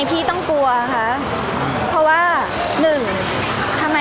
พี่ตอบได้แค่นี้จริงค่ะ